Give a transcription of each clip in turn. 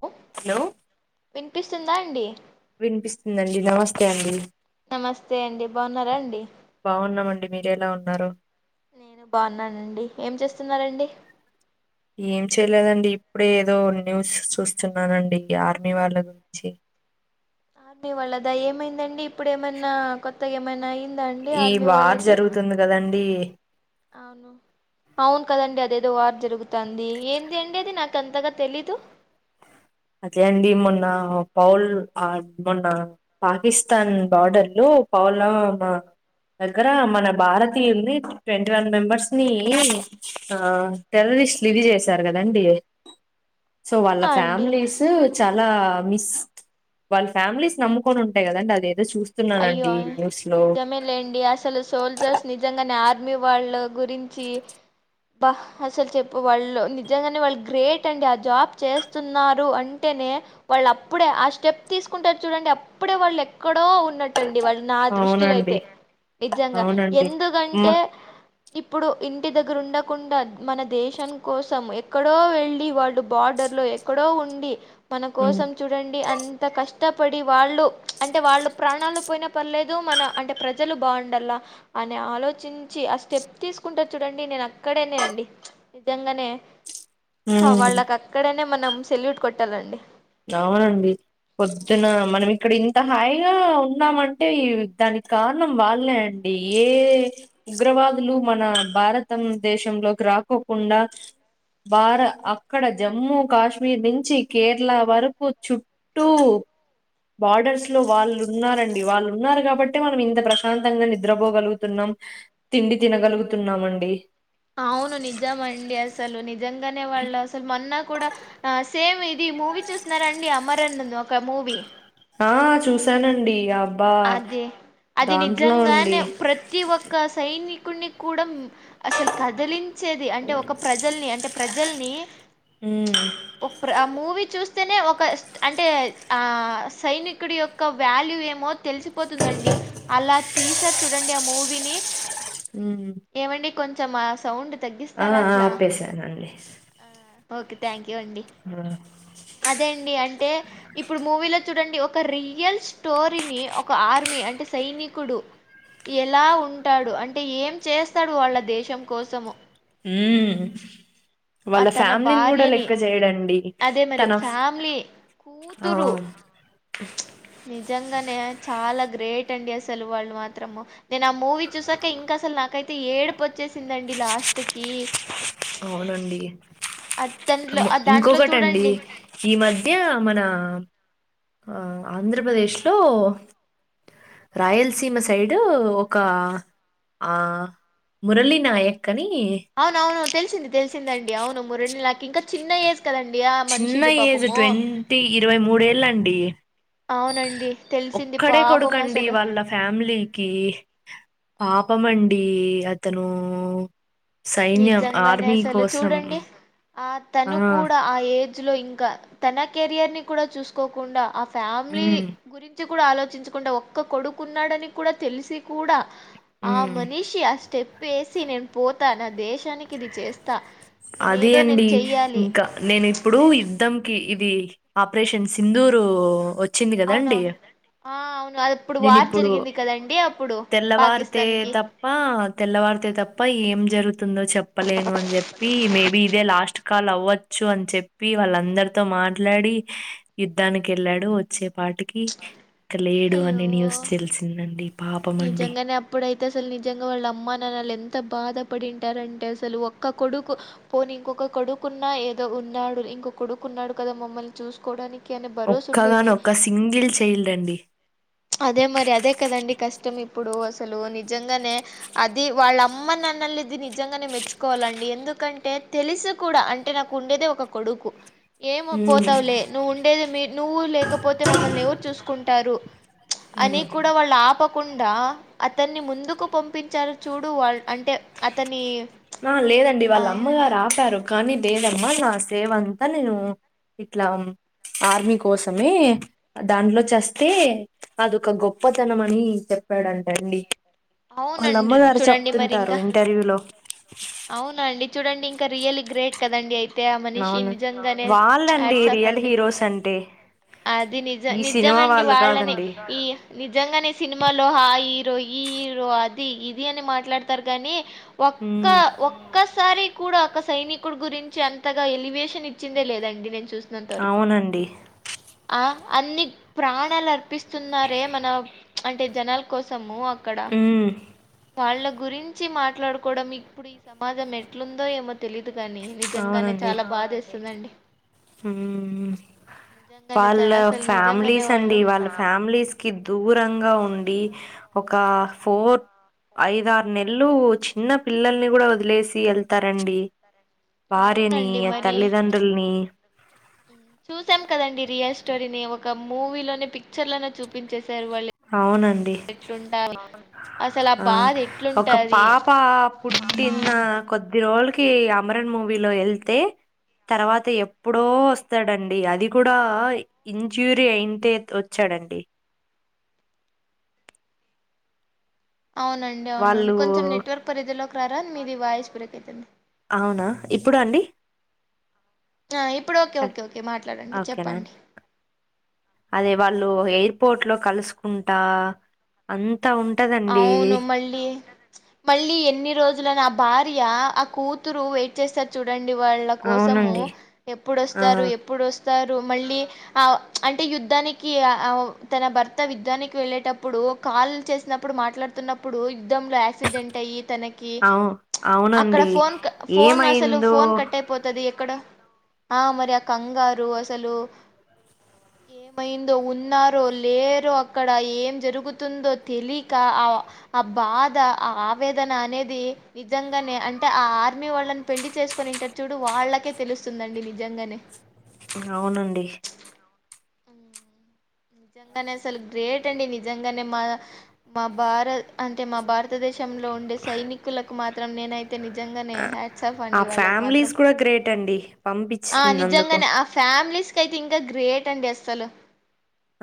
లో హలో వినిపిస్తుందా అండి వినిపిస్తుందండి నమస్తే అండి నమస్తే అండి బొనారా అండి మీరేలా ఉన్నారు నేను బాగున్నానండి ఏం చేస్తున్నారండీ ఏం చేయలేదండి ఇప్పుడే ఏదో న్యూస్ చూస్తున్నానండి ఆర్మీ వాళ్ళ గురించి ఆర్మీ వాళ్ళదా ఏమైందండి ఇప్పుడు ఏమైనా కొత్తగా ఏమైనా అయిందా అండి ఈ ఆర్మీ వార్ వాళ్ళకి జరుగుతుంది కదండి అవును అవును కదండి అది అదేదో వార్ జరుగుతన్ది ఏంది అండి అది నాకు అంతగా తెలీదు అదే అండి మొన్న పౌల్ మొన్న పాకిస్తాన్ బార్డర్లో పౌల్ నామా దగ్గర మన భారతీయుల్ని ట్వంటీ వన్ మెంబర్స్ ని ఆ టెర్ లిస్ట్ లిధి చేసారు కదండి సో వాళ్ళ అవునా అండి ఫ్యామిలీ చాలా మిస్ వాళ్ళ ఫ్యామిలీస్ నమ్ముకొని ఉంటాయి కదండి అదే అయ్యో నిజమే లేండి అసలు సోల్జర్స్ నిజంగానే ఆర్ ర్మీ వాళ్ళు గురించి బా అసలు చెప్పు వాళ్ళు నిజంగానే వాళ్ళు గ్రేట్ అండి ఆ జాబ్ చేస్తున్నారు అంటే వాళ్ళు అప్పుడే ఆ స్టెప్ తీసుకుంటారు చూడండి అప్పుడే వాళ్ళు ఎక్కడో ఉ ట్టండి వాళ్ళు నా దృష్టిలో అయితే అవునండి నిజంగా అవునండి మ ఎందుకంటే ఇప్పుడు ఇంటి దగ్గర ఉండకుండా మన దేశం కోసం ఎక్కడో వెల్లి వాళ్ళు బార్డు ర్లో ఎక్కడో ఉండి మన హ్మ్ కోసం చూడండి అంత కష్టపడి వాళ్ళు అంటే వాళ్ళ ప్రాణాలు పోయిన పర్లేదు మన అంటే ప్రజలు బాగుండాల అని ఆలోచించి ఆ స్టెప్ తీస్ తీసుకుంటారు చూడండి నేను అక్కడేనే అండి నిజంగానే హా హ్మ్ వాళ్ళకి అక్కడేనే మనం సెల్యూట్ కొట్టాలండి అవునండి పొద్దున మనం ఇక్కడ ఇన్ త హాయిగా ఉన్నామంటే దానికి కారణం వాళ్ళే అండి ఏ ఉగ్ర వాదులు మన భారతం దేశంలోకి రాకోకుండా భార అక్కడ జమ్మూ కాశ్మీర్ నుంచి కేర్ లా వరకు చుట్టూ బార్డర్స్ లో వాళ్ళు ఉన్నారండి వాళ్ళు ఉన్నారు కాబట్టి మనం ఇంత ప్రశాంతంగా నిద్రపోగలుగుతున్నాం ము తిండి తినగలుగుతున్నామండి అవును నిజ మండి అసలు నిజంగానే వాళ్ళు అసలు మొన్న కూడాడా సేమ్ ఇ ఇది మూవీ చూస్తున్నారండి అమర్ అన్ ది ఒక మూవీ ఆ చూసానండి ఆబ్ అదే అది అండి నిజంగానే ప్రతి ఒక్క సైని కున్ని కూడా అసలు కదిలించేది అంటే ఒక ప్రజల్ని అంటే ప్రజల్ని ఉమ్ ఓ ప్రా మూ వి చూస్తేనే ఒక అంటే ఆ సైనికుడి యొక్క వ్యాల్యూ ఏమో తీ పోతుందండి అలా తీసారు చూడండి ఆ మూవీని ఉమ్ కొంచం ఆ సౌండ్ ఆ తగ్గిస్తారా అట్లా ఆప్పేశాను అండి ఆ, ఓకే థ్యాంక్ యూ అండి అదే అండి అంటే ఇప్పుడు మూవీలో చూడండి ఒక రియల్ స్టోరీని ఒక ఆర్మీ అంటే సైనికుడు ఎలా ఉంటాడు అంటే ఏం చేస్తాడు వాళ్ళ దేశం కోసము ఉ ఆ వాళ్ళ తన ఫ్యామిలీని గూడా భార్యని లెక్క చేయడండి అదే మరి తనఫ్ ఫ్యామిలీ కూతురు హ నిజంగానే చాలా గ్రేట్ అండి అసలు వాళ్లు మాత్రము నేను ఆ మూవీ చూసాక ఇంకా అసలు నాకైతే ఏడుపు వచ్చేసిందండి లాస్ట్ కి అవునండి అద్దంట్లో ఆ దాంట్లో ఇంకొకటండి చూడండి ఈ మధ్య మన ఆ ఆంధ్రప్రదేశ్ లో రాయలసీమ సైడ్ ఒక ఆ మురళి నాయక్ అని అవున అవును తెలిసింది తెలిసిందండి అవును మురెలీ నాకి ఇంకా చిన్నఏజ్ చిన్న ఏజ్ ట్వంటీ ఇరవై మూడేళ్ళండి అవునండి తెలిసింది ఒక్కడే పాపం కొడుకండి అసలు. వాళ్ళ ఫ్యామిలీకి ఆ! పాపమండి అతను సైన్యం నిజంగానే ఆర్మీ అసలు కోసం చూడండి ఆ తను కూడా ఆ ఏజ్ లో ఇంకా తన కెరియర్ ని కూడా చూసుకోకుండా ఆ ఫ్యామిలీ ఉమ్, గురించి కూడా ఆలోచించుకుంటే ఒక్క కొడుకున్నాడని కూడా తెలిసి కూడా ఆ ఉమ్. మనిషి ఆ స్టెప్ వేసి నేను పోతా నా దేశానికి ఇది చేస్తా నేను అదే ఏదో నేను అండి చెయ్యాలి ఇంకా నేను ఇప్పుడు యుద్ధంకి ఇది ఆపరేషన్ సిధూరు వచ్చింది కదాండి అవునవును ఆ అవును అప్పుడు నేను వార్ ఇప్పుడు జరిగింది కదండి అప్పుడు తెల్లవారితే పాకిస్తాన్ కి తప్ప తెల్లవారు పడితే తప్ప ఏం జరుగుతుందో చెప్పలేను అని చెప్పి చెప్పి మేబి ఇదే లాస్ట్ కాల్ అవ్వచ్చు అని చెప్పి వాళ్ళందరితో మాట్లాడి యుద్ద నికి వెళ్ళాడు వచ్చే పాటికి ఇక్క లేడు అనే న్యూస్ అయ్యో తెలిసిందండి పాప్ నిజంగానే అప్పుడే అయితే అసలు నిజంగా వాళ్ళ అమ్మా నాన్ను ఎంత బాధపడింటారు అంటే అసలు ఒక్క కొడుకు పోని ఇం ఒక కొడుకున్నా ఏదో ఉన్నాడు ఇంకొ కొడుకున్నాడు కదా మమ్మల్ని చూసుకోవడానికి అనే భరోసా ఒక్కగాని ఉండేది ఒక్క సింగిల్ చైల్డ్ అండి అదే మరి అదే కదండి కష్టం ఇప్పుడు అసలు నిజంగానే అది వాళ్ళ అమ్మ నన్న మది నిజంగానే మెచ్చుకోవాలండి ఎందుకంటే తెలుసు కూడా అంటే నాకు ఉండేదే ఒక కొడుకు ఏం ఉమ్ పోతావులే నువ్వు ఉండేది మీ నువ్వు లేకపోతే మమ్మల్ని ఎవరు చూసుకుంటారు అని ఉమ్ కూడా వాళ్ళు ఆపకుండా అతను అతన్ని ముందుకు పంపించారు చూడు వాళ్ళ అంటే అతని ఆ లేదండి ఆ వాళ్ళ అమ్మగారు ఆపారు కానీ లేేవమ్మా నా సేవ అంతా నేను ఇట్లా ఆర్మీ కోసమే దాంట్లో చస్తే అదొక గొప్పతనం అని చెప్ చెప్పాడుంటండి అవునండి వాళ్ళమ్మగారు చూడండి మరి చెప్తుంటారు ఇంకా ఇంటర్వ్యూ లో అవునా అండి చూడండి ఇంకా రియల్లి గ్రేట్ కదండి అయి తే ఆ అవును మనిషినిజంగానే వాళ్ళండి రియల్ ఆడ్సఫండి హీరోస్ అంటే అది నిజం ఈ సినిమా నిజమండి వాళ్ళు వాళ్ళనే కాదండి ఈ నిజంగానే సినిమాలో హా ఈ హ ఈ హీరో అది ఇది అని మాట్లాడతారు కాగాని ఒక్క ఉమ్ ఒక్కసారి కూడా ఒక సైనికుడు గురించి అంతగా ఎలివేషన్ ఇచ్చిందే లేదండి నేను. చూసినంత వరకు అవునండి అవున అన్ని ప్రాణాలు అర్పిస్తున్నారే మన అంటే జనాల కోసము అక్కడ ఉమ్ వాళ్ళ గురించి మాట్లాడుకోవడం ఇప్పుడు ఈ సమాజం ఎట్లుందో ఏమ తెలీదు కాని నిజంగానే చాలా బాద ఏస్తుందండి ఊ ఊ నిజంగానే వాళ్ళ చాలా అసలు నిజంగానే ఫ్యామిలీస్ వాళ్ళు అండి వాళ్ళ ఫ్యామిలీస్ కి దూరంగా ఉన్ ఇ ఒకా ఫోర్ ఐదార్ నెల్లు చిన్న పిల్లల్ని గుడా ఒదిలేసి ఎళ్తారండి వారినీ అవునండి అ మరి తల్లిదండ్రుల్నీ చూసాం కదండి రియల్ స్టోరీని ఒక మూవీలోనే పిక్చర్ లనే చూపించేశారు వాళ అవునండి అసలు ఆ బాధ ఒక ఎట్లుంటది పాపా పుట్టి ఇన్నా కొద్ది రోల్కి అమరన్ మూవీలో ఎళ్తే తర్వాత ఎప్పుడో ఒస్తాడంండి అది కూడా ఇంజూరీ అయింటే ఒచ్చా రండి అవునండి అవునండి వాళ్ళు కొంచెం నెట్వర్క్ పరిధిలోకి రార మీది వాయిస్ బ్రేక్ ఐతుంది ఔనా ఇప్పుడండి ఆ ఇప్పుడు ఓకే ఓకే ఓకే మాట్లాడండి ఓకేనా అండి చెప్పండి అదే వాళ్ళూ ఎయిర్పోర్ట్ లో కల్సుకుంటా అంత్ త ఉంటదండీ అవును మళ్ళీ మళ్ళీ ఎన్ని రోజులన్ ఆ భార్యా ఆ కూతురూ వెయిట్ చేస్తార్ చూడండ్ డి వాళ్ళ కోసమూ అవునండి ఆ ఎప్పుడొస్తారు ఎప్పుడు వస్త్ స్తారు మళ్ళీ ఆ అంటే యుద్ధానికి ఆ తన భర్త యుద్ధానికి వెళ్ళేటప్పుడు ఒ కాల్ చేస్నప్పుడు మాట్లాడ్తున్నప్పుడూ యుద్దంలోయాసిడెంట్ అయ్యి తనకి అవు అక్కడ అవునండి ఫోన్ క ఫోన్ అసలు ఏమైందో ఫోన్ కట్టయిపోతది ఎక్కడ ఆ మరి అ కంగారు అసలు ఏమైందొ ఉన్నారొ లేరొ అక్కడ ఏం జరుగుతుందొ తెలి క ఆ అ బాధ ఆ ఆవేదన అనేది నిజంగనె అంటె ఆ ఆర్మీ వాళ్ళ్ అన్ పెళ్లి చేసుకొనుంటర్ చూడు వాళ్లకె తెలుస్తుందండి నిజంగనె అవునండి ఉ నిజంగనె అసల్ గ్రేట్ అండి నిజంగనె మా మ భార అంటె మా భారతదేశంలొ ఉండె సైనికులకు మాత్రం నేనై నిజంగనే ఆ హ్యాట్సఫ్ ఆ అండి వాళ్ళకి మాత్రం ఫ్యామిలీస్ కూడా గ్రేట్ అండి ఆ పంపించినందుకు నిజంగనే ఆ ఫ్యామిలీస్ కైతే ఇంక గ్రేట్ అండి అస్సలు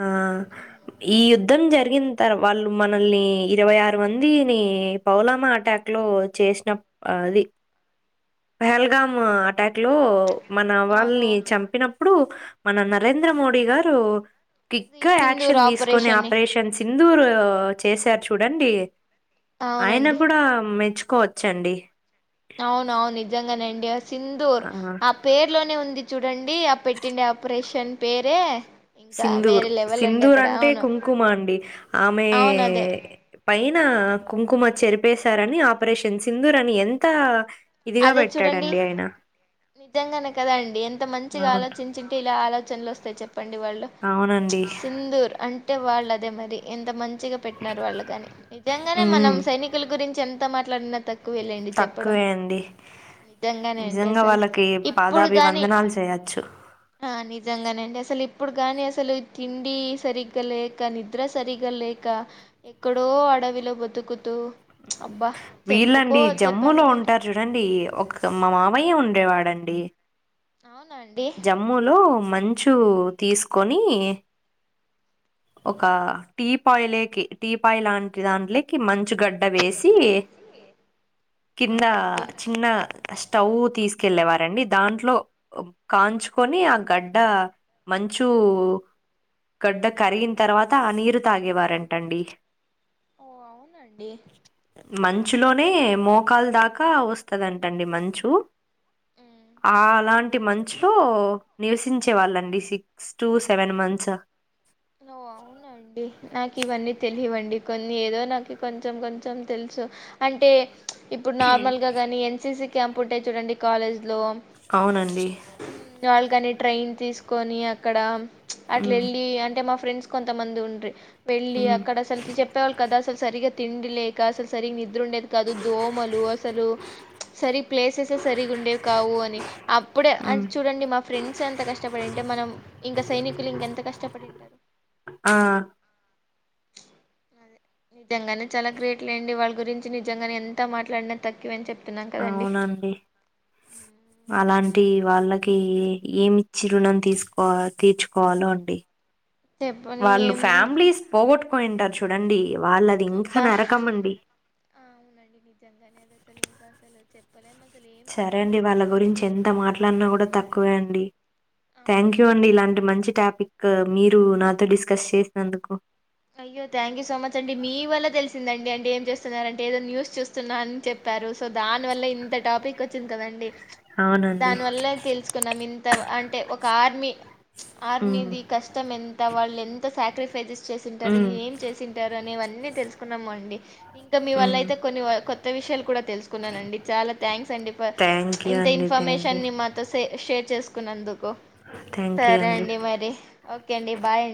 ఆ ఈ యుద్ధం జరిగిన్ తర్ వాళ్ళు మనల్నీ ఇరవై ఆరు మందీనీ పౌలమా అట టక్ లో చేసిన అది పహల్గామ్ అటాక్ లో మన వాళ్ని అవునవును చంపినప్పుడు మన నరేంద్ర మోడీ గారూ శ్రీ కిక్గా సింధూర్ యాక్షన్ తీస్కొని ఆపరేషన్ ని ఆపరేషన్ సింధూరూ చేశార్ చూడండి ఆయన అవునండి గుడా మెచ్చుకోవచ్చండి నిజంగనే అండి ఆ సింధూర్ ఆ పేర్లోనే ఉంది చూడండి ఆ పెట్టిండి ఆపరేషన్ పేరే ఇంకా సింధూర్ వేరే లెవెల్ అండి సింధూర్ అక్కడ అంటే అవును కుంకుమ అండి ఆమే అవును అదే పైనా కుంకుమ చెరిపేశారని ఆపరేషన్ సింధుర్ అని ఎంతా ఇదిగా పెట్టాడండి ఆయన నిజంగనే కద అండి ఎంత మంచిగా అవును. ఆలోచించింటే ఇలా ఆలోచనల్ ఒస్త్ చెప్పండి వాళ్ళు అవునండి. సిందూర్ అంటె వాళ్ళదే మరి ఎంత మం పెట్టినర్ వాళ్ళ కాని నిజంగానే మనం హ్మ్. సైనికుల గురించి ఎంత మాట్లాడిన తక్ కువె లేండి చెప్పడం తక్కువే అండి. నిజంగనె అండి నిజంగా అసల్ వాళ్ళకి ఇప్పుడు గాని పాదాభివందనాలు చేయొచ్చు. నిజంగనేండి అసల్ ఇప్పుడు గాని అసలు తిండి సరిగ్గ లేక నిద్ర సరిగ్గా లేక ఎక్కడో అడవిలొ బతుకుతూ అబ్బా చెప్పుకో వీళ్ళండి చెప్పాం జమ్ములో కదండి ఉంటార్ చూడండి ఒక మా మావయ్యె ఉండేవాడండి అవునా అండి జమ్ములో మంచు తీసుకొని ఒక టీ పాయిలేకి టీ పాయిల్లాంటి దాంట్లోకి మంచు గడ్డ కీ కింద అవునండి చిన్న స్టవ్ తీసుకెళ్ళేవారండి దాంట్లో కాంచుకొని ఆ గడ్డ మంచు గడ్డ కరిగిన తర్వాత ఆ నీరు తాగేవారంటండి ఓ అవునండి మంచులోనే మోకాలు దాకా వస్తదంటండి మంచు అ లాంట్ టి మంచు నివసించే వాళ్ళండి సిక్స్ టు సెవెన్ మంత్స్ ఓ అవునండి నాకు ఇవన్నీ తెలియవండి కొన్ని ఏదో నాకు కొంచెం కొంచెం తెలుసు అంటే ఇప్పుడు నార్మల్ గ గాని ఎన్సిసి క్యాంప్ ఉంటే చూడండి కాలేజ్ లో అవునండి. వాళ్ళకని ట్రైన్ తీసుకొని అక్కడ అట్ల హ్మ్. వెళ్ళి అంటే మా ఫ్రెండ్స్ కొంతమంది ఉండ్రి వెళ్ళి హ్మ్. అక్కడ అసలు చెప్పేవాళ్ళుకాదు అసలు సరిగా తిండి లేక అసలు సరిగ ని ద్దరూండేది కాదు దోమలు అసలు సరి ప్లేసెస్ సరిగా ఉండేవి కావు అని అ ప్పుడే ఆ హ్మ్. చూడండి మా ఫ్రెండ్స్ అంత కష్టపడింటే మనం ఇంకా సైనికులు ఇంకెంత కష్టపడి ఆ అదే నిజంగానే చాలా గ్రేట్లేండి వాళ్ళ గురించి నిజంగానే ఎంత మాట్లాడిన తక్కువ అని చెప్ అవునండి అలాం టి వాళ్ళకి ఏమిచ్చి రుణం తీసుకో తీర్చుకోవాలో అండి చెప్పని వాళ్ళు ఏం ఫ్యామిలీస్ పోగొట్టుకోయింటారు చూడండి వాళ్ళది ఇంకా అబ్బా నరకమండి. అవునండి నిజంగానే అది అసలు ఇంకా అసలు చెప్పలేం సరే అండి వాళ్ళ గురించి ఎంత మాట్లాడినా కూడా తక్కువే అండి ఆ థ్యాంక్ యూ అండి అవునండి ఇలాంటి మంచి టాపిక్ మీరు నాతో డిస్కస్ చేసినందుకు అయ్యో థ్యాంక్ యూ సో మచ్ అండి మీ వల్ల తెలిసిందండి అంటే ఏం చేస్తున్నార అంటే ఏదో న్యూస్ చూస్తున్నా అని చెప్ ప్పారు సో దాని వల్ల ఇంత టాపిక్ వచ్చింది కదండి అవునండి దానివల్ల తెలుసుకున్నాం ఇంత అంటే ఒక ఆర్మీ ఉమ్, ఆర్మీది కష్టం ఎంత వాళ్ళు ఎంత సాక్రిఫైజెస్ చేసింటారు ఉమ్, ఏం చేసింటారు అనేవన్నీ తెలుసుకున్నాము అండి ఇంకా మీ వల్ల ఉమ్. అయితే కొన్ని కొత్త విషయాలు కూడా తెలుసుకున్నానండి చాలా థ్యాంక్స్ అండి ఫర్ థ్యాంక్ యూ ఇంత అండి ఇన్ఫర్ థ్యాంక్ యూ ర్మేషన్ ని మాతో సే షేర్ చేసు కున్నందుకు థ్యాంక్ యూ సరే అండి మరి ఓకే అండి బాయ్ అం